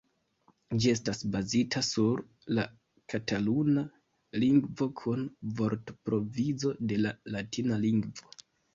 Ĝi estas bazita sur la kataluna lingvo kun vortprovizo de la latina lingvo.